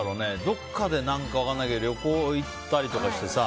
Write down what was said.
どこかで何か分かんないけど旅行行ったりとかしてさ。